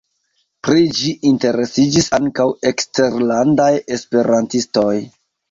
Pri ĝi interesiĝis ankaŭ eksterlandaj esperantistoj.